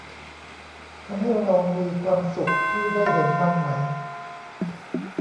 ทำให้เรามีความสุขที่ได้เห็นมันไหม